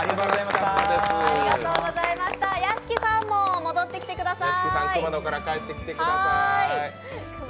屋敷さんも戻ってきてください。